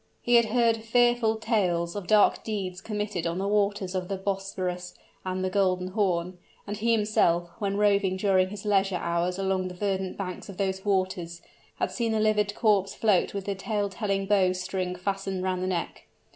He had heard fearful tales of dark deeds committed on the waters of the Bosporus and the Golden Horn; and he himself, when roving during his leisure hours along the verdant banks of those waters, had seen the livid corpse float with the tale telling bow string fastened round the neck.